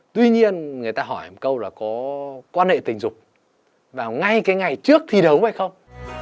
tuy nhiên người ta hỏi một câu là có quan hệ tình dục vào ngay cái ngày trước thi đấu hay không